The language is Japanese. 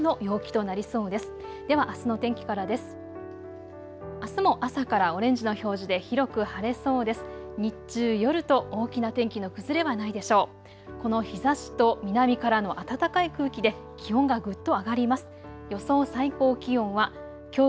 日中、夜と大きな天気の崩れはないでしょう。